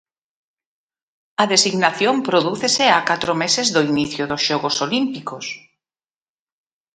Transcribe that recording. A designación prodúcese a catro meses do inicio dos xogos olímpicos.